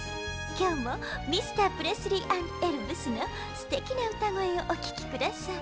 きょうもミスタープレスリー＆エルヴスのすてきなうたごえをおききください。